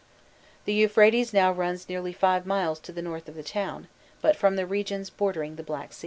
The Euphrates now runs nearly five miles to the north of the town, but from the regions bordering the Black Sea.